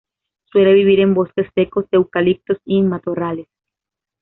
Suele vivir en bosques secos de eucaliptos y en matorrales.